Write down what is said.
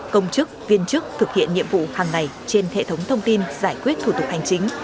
công chức viên chức thực hiện nhiệm vụ hàng ngày trên hệ thống thông tin giải quyết thủ tục hành chính